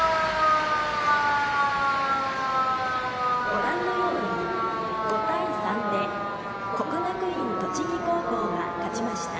ご覧のように５対３で国学院栃木高校が勝ちました。